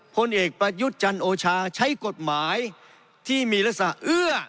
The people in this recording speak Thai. พลเอกประยุทธ์จันโอชาใช้กฎหมายที่มีลักษณะเอื้อ